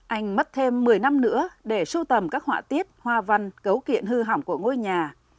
anh mất thêm một mươi năm nữa để sưu tầm các họa tiết hoa văn cấu kiện hư hỏng của ngôi nhà